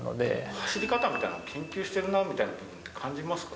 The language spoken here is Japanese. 走り方みたいなのを研究してるなみたいなのを感じますか？